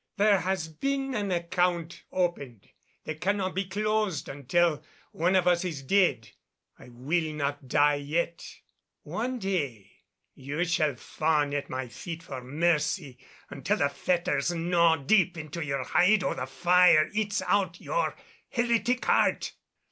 There has been an account opened that cannot be closed until one of us is dead. I will not die yet. One day you shall fawn at my feet for mercy until the fetters gnaw deep into your hide or the fire eats out your heretic heart!"